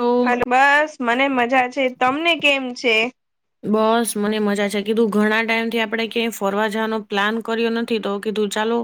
તો હેલો બસ મને મજા છે. તમને કેમ છે? બસ મને મજા છે કીધું ઘણા ટાઈમથી આપણે ક્યાંય ફરવા જવાનો પ્લાન કર્યો નથી. તો કીધું ચાલો,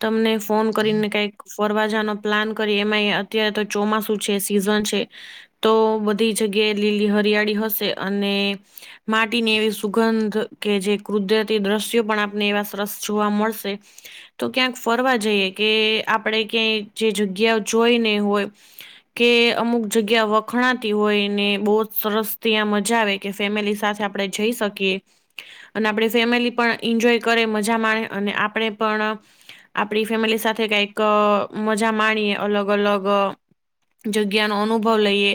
તમને ફોન કરીને કઈક ફરવા જવાનો પ્લાન કરીએ, એમાં અત્યારે તો ચોમાસુ છે, સીઝન છે. તો બધી જગ્યાએ લીલી હરિયાળી હશે અને માટીની એવી સુગંધ કે જે કુદરતી દ્રશ્યો પણ આપણને એવા સરસ જોવા મળશે. તો ક્યાંક ફરવા જઈએ કે આપણે ક્યાંય જે જગ્યા જોઈ ના હોય. કે અમુક જગ્યા વખણાતી હોય ને બહુ જ સરસ ત્યાં મજા આવે. કે ફેમિલી સાથે આપણે જઈ શકીએ. અને આપણી ફેમિલી પણ એન્જોય કરે, મજા માણે અને આપણે પણ આપણી ફેમિલી સાથે કઈક અ મજા માણીએ. અલગ અલગ જગ્યાનો અનુભવ લઈએ,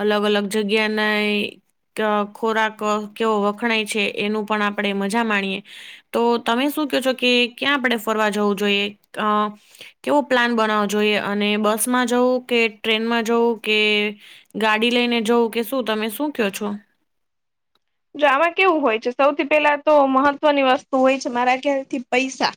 અલગ અલગ જગ્યાના ખોરાક કેવો વખણાય છે, એની પણ આપણે મજા માણીએ. તો તમે શું કહો છો, કે ક્યાં આપણે ફરવા જવું જોઈએ અ કેવો પ્લાન બનાવવો જોઈએ અને બસમાં જવું કે, ટ્રેનમાં જવું કે ગાડી લઈને જવું કે તમે શું કયો છો? જો આમાં કેવું હોય છે, સૌથી પહેલા તો મહત્વની વસ્તુ હોય છે, મારા ખ્યાલથી પૈસા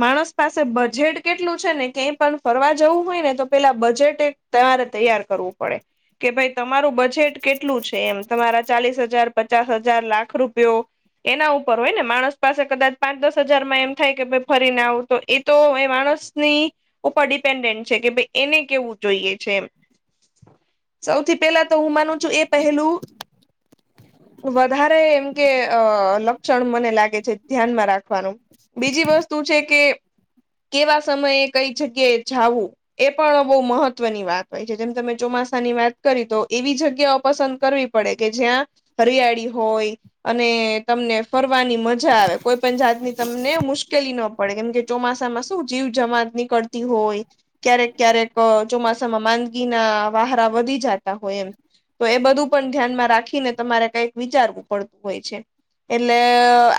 માણસ પાસે બજેટ કેટલું છે ને, કંય પણ ફરવા જવું હોયને તો પહેલા બજેટ એક તમારે તૈયાર કરવું પડે. કે ભાઈ તમારું બજેટ કેટલું છે, એમ તમારા ચાલીસ હજાર પચાસ હજાર, લાખ રૂપિયા એના ઉપર હોયને, માણસ પાસે કદાચ પાંચ દસ હજારમાં એમ થાય કે ભાઈ ફરીને આવું, તો એ તો માણસ ની ઉપર ડિપેન્ડન્ટ છે કે ભાઈ એને કેવું જોઈએ છે એમ સૌથી પહેલા તો હું માનું છું, એ પહેલું વધારે એમ કે અ લક્ષણ મને લાગે છે, ધ્યાનમાં રાખવાનું. બીજી વસ્તુ છે કે કેવા સમયે, કઈ જગ્યાએ જાવું. એ પણ બહુ મહત્વની વાત હોય છે. જેમ તમે ચોમાસાની વાત કરી, તો એવી જગ્યા પસંદ કરવી પડે કે જ્યાં હરિયાળી હોય. અને તમને ફરવાની મજા આવે કોઈ પણ જાતની તમને મુશ્કેલી ન પડે કેમ કે ચોમાસામાં શું જીવ જીવંત નીકળતી હોય. ક્યારેક ક્યારેક ચોમાસામાં માંદગીના વાહરા વધી જતા હોય એમ. તો એ બધું પણ ધ્યાનમાં રાખીને તમારે કઈક વિચારવું પડતું હોય છે, એટલે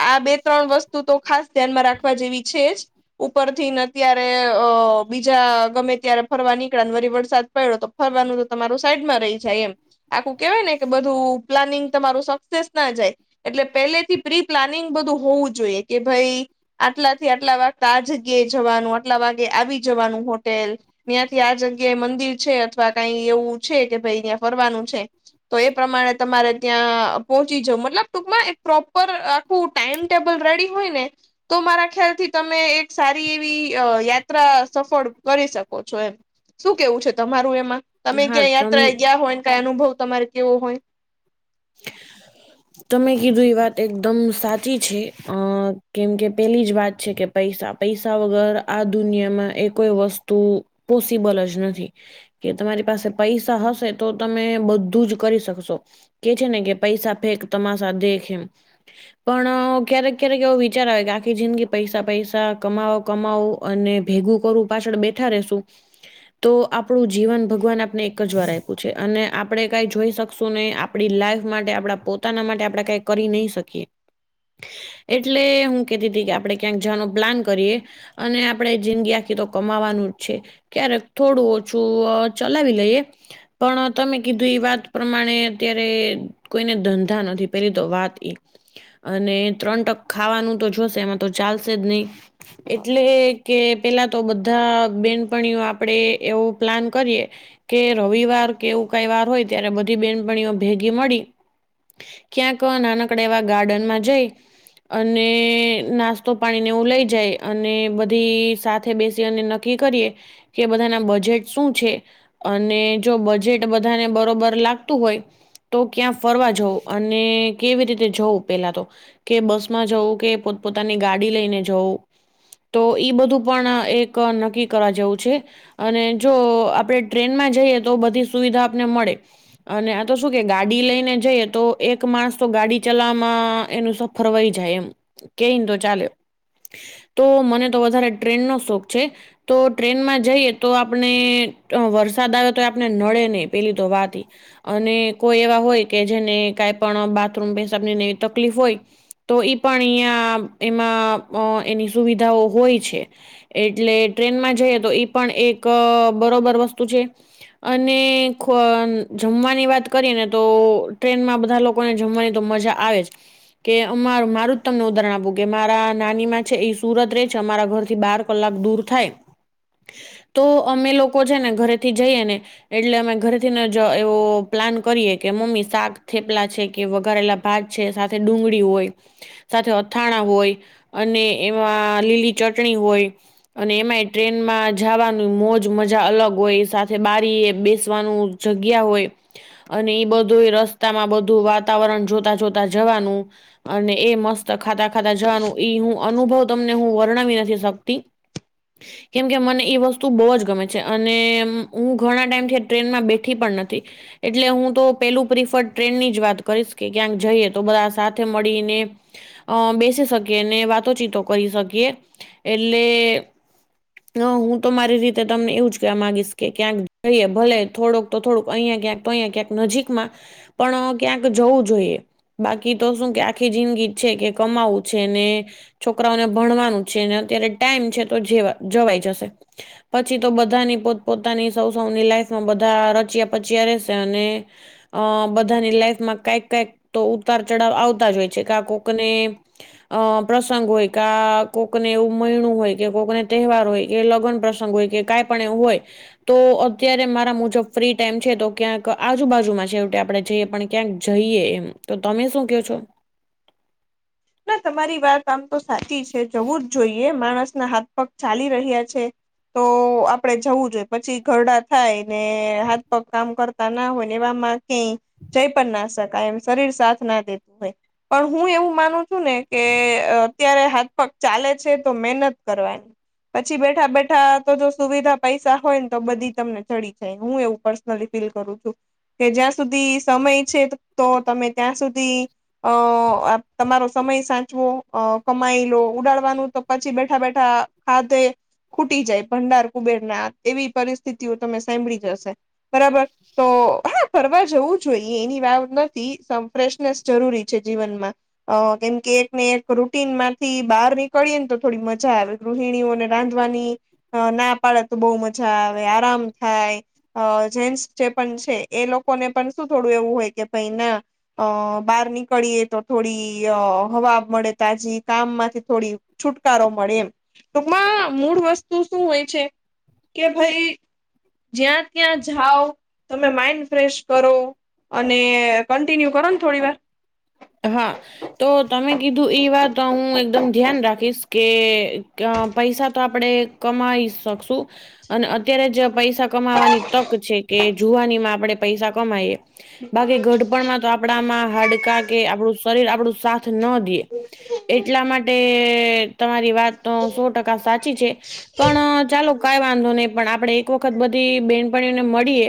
આ બે ત્રણ વસ્તુ તો ખાસ ધ્યાનમાં રાખ રાખવા જેવી છે જ ઉપરથી ને અત્યારે અ બીજા ગમે ત્યારે ફરવા નીકળ્યા વરી વરસાદ પડ્યો તો ફરવાનું તો તમારું સાઈડમાં રહી જાય એમ. આખું કહેવાયને કે બધું પ્લાનિંગ તમારું સક્સેસ ના જાય. એટલે પહેલેથી પ્રી પ્લાનિંગ બધું હોવું જોઈએ. કે ભઈ આટલાથી આટલા વાગતા આ જગ્યાએ જવાનું, આટલા વાગે આવી જવાનું હોટેલ. ન્યાંથી આ જગ્યાએ મંદિર છે, અથવા કાંઈ એવું છે કે ભઈ યાં ફરવાનું છે તો એ પ્રમાણે તમારે ત્યાં પહોંચી જાવ. મતલબ ટૂંકમાં એક પ્રોપર આખું ટાઈમ ટેબલ રેડી હોયને તો મારા ખ્યાલથી તમે એક સારી એવી યાત્રા સફળ કરી શકો છો એમ. શું કહેવું છે તમારું એમાં? તમે હા ક્યાંય તમ યાત્રાએ ગયા હોય ને, કાંઈ અનુભવ તમારે કહેવો હોય? તમે કીધું ઈ વાત એકદમ સાચી છે. અહ કેમ કે પહેલી જ વાત છે કે પૈસા-પૈસા વગર આ દુનિયામાં એ કોઈ વસ્તુ પોસિબલ જ નથી. કે તમારી પાસે પૈસા હશે, તો તમે બધું જ કરી શકશો. કહે છે ને કે પૈસા ફેંક, તમાશા દેખ એમ. પણ ક્યારેક-ક્યારેક એવો વિચાર આવે, કે આખી જિંદગી પૈસા-પૈસા, કમાવો-કમાવો અને ભેગું કરવું, પાછળ બેઠા રહેશું તો આપણું જીવન ભગવાને આપને એક વાર જ આયપુ છે. અને આપણે કાંઈ જોઈ શકશું નહીં. આપ આપણી લાઈફ માટે, આપણાં પોતાના માટે આપણે કાંઈ કરી નહીં શકીએ. એટલે હું કહેતી તી કે આપણે ક્યાંક જાવાનુ પ્લાન કરીએ. અને આપણે જિંદગી આખી તો કમાવાનું જ છે. ક્યારેક થોડું ઓછું અહ ચલાવી લઈએ. પણ તમે કીધું ઈ વાત પ્રમાણે અત્યારે કોઈને ધં ધા નથી પહેલી તો વાત એ. અને ત્રણ ટક ખાવાનું તો જોશે, એમાં તો ચાલશે જ નહીં. એટલે કે પહેલા તો બધા બેનપણીઓ આપણે એવું પ્લાન કરીએ કે રવિવાર કે એવું કંઈ વાર હોય ત્યારે બધી બેનપણીઓ ભેગી મળી ક્યાંક નાનકડે એવા ગાર્ડનમાં જઈ અને, નાસ્તો પાણી ને એવું લઈ જાય, અને બધી સાથે બેસી અને નક ક્કી કરીએ, કે બધાના બજેટ શું છે. અને જો બજેટ બધાને બરોબર લાગતું હોય તો ક્યાં ફરવા જઉ, અને કેવી રીતે જઉં પહેલા તો. કે બસમાં જવું, કે પોત-પોતાની ગાડી લઈને જવું તો ઈ બધું પણ એક નક્કી કરવા જેવું છે. અને જો આપણે ટ્રેનમાં જઈએ, તો બધી સુવિધા આપને મળે. અને આ તો શું કે ગાડી લઈને જઈએ તો એક માણસ તો ગાડી ચલાવવામાં એનું સફર વઈ જાય એમ. કેઈન તો ચાલે. તો મને તો વધારે ટ્રેન નો શોખ છે. તો ટ્રેનમાં જઈએ તો આપને અહ વરસાદ આવે તોઈ આપને નળે ની, પહેલી તો વાત ઈ. અને કોઈ એવા હોય કે, જેને કાંઈ પણ બાથરૂમ, પેશાબ ની ને એવી તકલીફ હોય તો ઈ પણ અહીયાં એમાં અહ એની સુવિધાઓ હોય છે. એટલે ટ્રેનમાં જઈએ તો, ઈ પણ એક અહ બરોબર વસ્તુ છે. અને ખોન જમવાની વાત કરીએ ને તો ટ્રેનમાં બધ ધા લોકો ને જમવાની તો મજા આવે જ. કે અમાર મારું જ તમને ઉદાહરણ આપું, કે મારા નાની માં છે, ઈ સુરત રેઈ છે, અમારા ઘર થી બાર કલાક દૂર થાય. તો અમે લોકો છે ને ઘરે થી જઈએ ને એટલે અમે ઘરે થીન જ એવો પ્લાન કરીએ, કે મમ્મી શાક થેપલા છે, કે વઘાંરેલા ભાત છે, સાથે ડુંગળી હોય. સાથે અથાણા હોય અને એમાં લીલી ચટણી હોય અને એમાંએ ટ્રેનમાં જવાનું મોજ મજા અલગ હોય સાથે બારીએ બેસવાનું જગ્યા હોય અને ઈ બધું ઈ રસ તામાં બધું વાતાવરણ જોતા, જોતા જવાનું અને એ મસ્ત ખાતા ખાતા જવાનું ઈ હું અનુભવ તમને હું વર્ણાવી નથી શકતી [inaudible] કેમકે મને ઈ વસ્તુ બો જ ગમે છે, અને હું ઘણા ટાઈમથી ટ્રેનમાં બેઠી પણ નથી એટલે હું તો પેલું પ્રિફર ટ્રેન ની જ વાત કરીશ કે ક્યાંક જઈએ, તો બધા સાથે મળીને અ બેસી શકીએ ને વાતોચીતો કરી શકીએ એટલે ન હું તો મારી રીતે તમને એવું જ કેવા માગીશ કે ક્યાંક જઈએ ભલે થોળોક તો થોડુંક અંયા ક્યાંક તો અંયા ક્યાંક નજીકમાં પણ ક્યાંક જવું જોઈએ. બાકી તો શું કે આખી જિંદગી છે કે કમાવું છે ને છોકરાઓને ભણવાનું છે ને અત્યારે ટાઈમ છે તો જેવા જવાઈ જશે. પછી તો બધાની પોત પોતાની સૌ સૌની લાઈફ બધા રચિયા પચિયા રેશે અને અ બધાની લાઈફમાં કંઈક કંઈક તો ઉતાર ચઢાવ આવતા જ હોય છે કા કોકને અ પ્રસંગ હોય કા કોકને એવું મઈણું હોય કે કોકને તહેવાર હોય કે લગ્ન પ્રસંગ હોય કે કાઈ પણ એવું હોય તો અત્યારે મારા મુજબ ફ્રી ટાઈમ છે તો ક્યાંક આજુબાજુમાં છેવટે આપડે જઈએ પણ ક્યાંક જઈએ એમ તો તમે શું ક્યો છો ના તમારી વાત આમ તો સાચી છે જવું જ જોઈએ માણસના હાથ-પગ ચાલી રહ્યા છે. તો આપડે જવું જોઈ પછી ઘરડા થાય ને હાથ-પગ કામ કરતા ના હોય ને એવામાં કે જઈ પણ ના શકાય એમ શરીર સાથ ના દેતું હોય પણ હું એવું માનું શું ને કે અત્યારે હાથ પગ ચાલે છે તો મહેનત કરવા પછી બેઠા-બેઠા તો જો સુવિધા-પૈસા હોય ને તો બધી તમને ચડી જાય હું એવું પર નલી ફીલ કરું છું કે જ્યાં સુધી સમય છે તો તમે ત્યાં સુધી અ-આ તમારો સમય સાચવો અ કમાઈલો ઉડાડવાનું તો પછી બેઠા બેઠા ખાધે ખૂટી જાય ભંડાર કુબેરના એવી પરિસ્થિતિઓ તમે સાંઈભળી જ હશે બરાબર તો હા ફરવા જવું જોઈએ એની વાત નથી સમ ફ્રેશનેસ જરૂરી છે જીવનમાં અ કેમ કે એક ને એક રૂટીન માંથી બહાર નીકળીએ ને તો થોડી મજા આવે ગૃહિણીઓને રાંધવાની હ ના પાડે તો બહુ મજા આવે આરામ થાય અ જેન્ટસ જે પણ છે એ લોકોને પણ શું થોડું એવું હોય કે ભાઈ ના અ બહાર નીકળીએ તો થોડી ઈ હવા મળે તાજી કામ માંથી થોડી છુટકારો મળે એમ ટૂંકમાં મૂળ વસ્તુ શું હોય છે કે ભઈ જ્યાં ત્યાં જાઓ તમે માઈન્ડ ફ્રેશ કરો અને કન્ટિન્યુ કરો ને થોડી વાર હા. તો તમે કીધું ઈ વાત હું એકદમ ધ્યાન રાખીશ કે અ પૈસા તો આપડે કમાઈ શકશું અને અત્યારે જ પૈસા કમાવાની તક છે કે જુવાની માં આપણે પૈસા કમાઈએ બાકી ગડપણમાં તો આપડામાં હાડકા કે આપડું શરીર આપડું સાથ ન દે એટલા માટે તમારી વાત તો સો ટકા સાચી છે. પ.. ણ ચાલો કાઈ વાંધો નહી પણ આપણેે એક વખત બધી બહેનપણીઓને મળીએ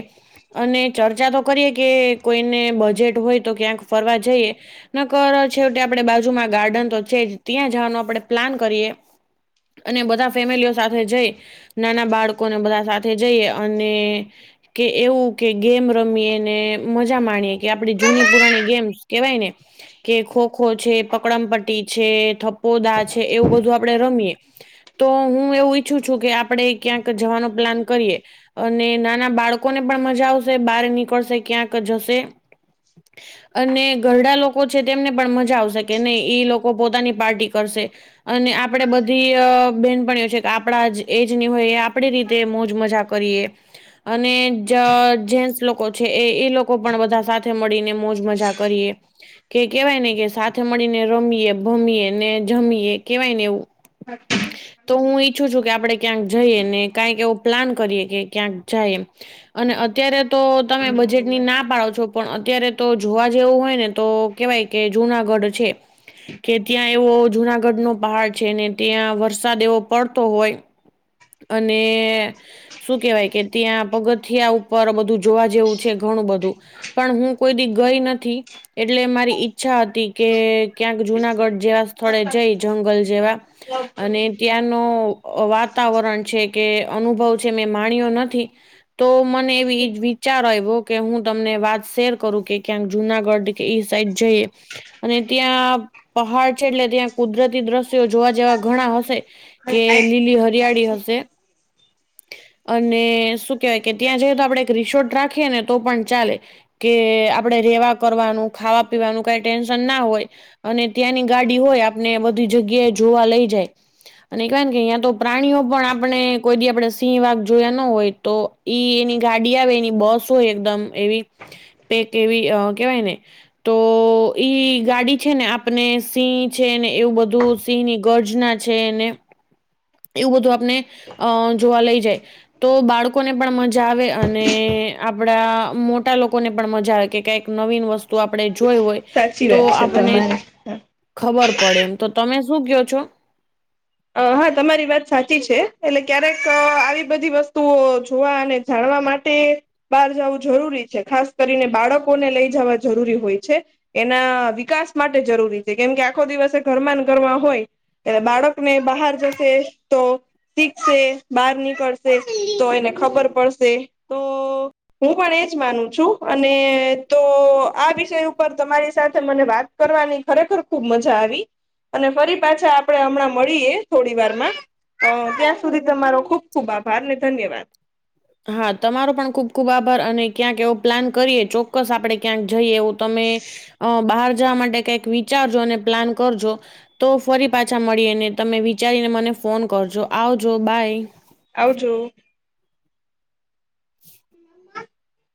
અને ચર્ચા તો કરીએ કે કોઈને બજેટ હોય તો ક્યાંક ફરવા જઈએ. નકર છેવટે આપડે બાજુમાં ગાર્ડન તો છે જ. ત્યાં જાવાનો આપડે પ્લાન કરીએ. અને બધાં ફેમિલીઓ સાથે જઈ નાના બાળકોને બધા સાથે જઈએ અને કે એવું કે ગેમ રમીએ ને મજા માણીએ કે આપણી જૂની પુરાણી ગેમ્સ્ કેવાય ને કે ખોખો છે, પક્ડમ પટ્ટી છે, થપ્પોદા છે. એવું બધું આપડે રમીએ. તો હું એવું ઈચ્છું છું કે, આપણે ક્યાંક જવાનો પ્લાન કરીએ. અને નાના બાળકોને પણ મજા આવશે. બારે નીકળશે ક્યાંક જશે. અને ઘરડાં લોક કો છે તેમને પણ મજા આવશે કે નહી ઈ લોકો પોતાની પાર્ટી કરશે. અને આપડે બધી અ બેનપણીઓ છે કે આપડા જ એજની હોય એ આપડી રીતે મોજ મજાક કરીએ અને જજેન્ટ્સ લોકો છે. એ એ લોકો પણ બધાં સાથે મળીને મોજ-મજા કરીએ. [inaudible] કે કેવાય ને કે સાથે મળીને રમીએ, ભમીએ ને જમીએ કેવાય ને એવું [inaudible] તો હું ઈચ્છું છું કે, આપડે ક્યાંક જઈએ ને કાંઇક એવો પ્લાન કરીએ કે ક્યાંક જાયે. અને અત્યારે તો તમે બજેટની ના પાડો છો પણ અત્યારે તો જોવા જેવું હોય ને તો.. કેવાય... કે જુનાગઢ છે. કે ત્યાં એવો જુનાગઢનો પહાડ છે ને ત્યાં વરસાદ એવો પડતો હોય. અને..... શું કેવાય કે ત્યાં પગથિયા ઉપર બધું જોવા જેવું છે ઘણું બધું. પણ હું કોઈ દી ગઈ નથી. એટલે મારી ઈચ્છા હતી કે, ક્યાંક જુનાગઢ જેવા સ્થળે જઈ જંગલ જેવા અને ત્યાંનો વાત તાવરણ છે કે અનુભવ છે. મેં માણ્યો નથી તો મને એવી ઈ વિચાર આવ્યો કે, હું તમને વાત શેર કરું કે ક્યાંક જુનાગઢ.. કે ઈ સાઇડ જઈએ. અને ત્યાં પહાડ છે. એટલે ત્યાં કુદરતી દ્રશ્યો જોવા જેવા ઘણાં હશે. કે લીલી હરિયાળી હશે. અને શું કેવાય કે ત્યાં જઈએ તો આપડે એક રિસોર્ટ રાખીએ ને તો પણ ચાલે. કે આપણેે રેવા કરવાનું, ખાવા પીવાનું કાંઈ ટેન્શન ના હોય. અને ત્યાંની ગાડી હોય. આપને બધી જગ્યાએ જોવા લઈ જાય અને કેવાયન કે યા તો... પ્રાણીઓ પણ આપણે કોઈ દી આપડે સિંહ વાઘ જોયા ન હોય તો ઈ એની ગાડી આવે એની બસ હોય એકદમ એવી પેક એવી અ કેવાય ને તો ઈ ગાડી છે ને આપને સિંહ છે ને એવું બધું સિંહની ગર્જના છે એને એવું બધું આપને અ જોવા લઈ જાય તો બાળ કોને પણ મજા આવે અને આપણા મોટા લોકોને પણ મજા આવે કે, કાઈક નવીન વસ્ તુ આપણે જોય હોય સાચી તો વાત છે આપણે તમારી ખબર પડે એમ. તો તમે શું ક્યો છો? હા તમારી વાત સાચી છે. એટલે ક્યારેક આવી બધી વસ્તુઓ જોવા અને... જાણવા માટે... બાર જાવું જરૂરી છે. ખાસ કરીને બાળકોને લઈ જાવા જરૂરી હોય છે. એના વિકાસ માટે જરૂરી છે કેમ આખો દિવસે ઘરમાં ન ઘરમાં હોય. એટલે બાળકને બહાર જશે તો શીખશે, બહાર નીકળશે તો એને ખબર પડશે તો હું પણ એજ માનું છું અને તો આ વિષય ઉપર તમારી સાથે મને વાત કરવાની ખરેખર ખુબ મજા આવી અને ફરી પાછા આપણે હમણાં મળીએ. થોડી વારમાં અ ત્યાં સુધી તમારો ખુબ ખુબ આભાર ને ધન્યવાદ. હા તમારો પણ ખૂબ ખૂબ આભાર અને ક્યાંક એવો પ્લાન કરીએ ચોક્કસ આપણે ક્યાંક જઈએ એવું તમે અ બહાર જવા માટે કઈક વિચારજો અને પ્લાન કરજો. તો ફરી પાછા મળીને તમે વિચારીને મને ફોન કરજો. આવજો બાય. આવજું. હા..